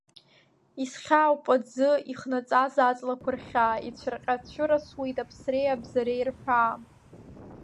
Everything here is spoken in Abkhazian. Исхьаауп аӡы ихнаҵаз аҵлақәа рхьаа, ицәырҟьа-цәырасуеит аԥсреи абзареи рҳәаа…